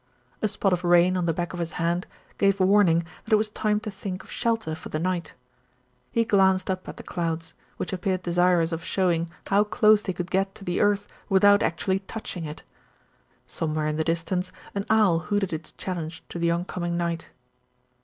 A spot of rain on the back of his hand gave warning that it was time to think of shelter for the night. He glanced up at the clouds, which appeared desirous of showing how close they could get to the earth without actually touching it. Somewhere in the distance an owl hooted its challenge to the oncoming night.